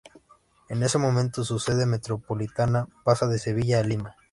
En ese momento su sede metropolitana pasa de Sevilla a Lima.